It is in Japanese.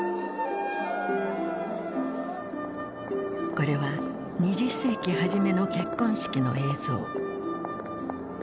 これは２０世紀初めの結婚式の映像。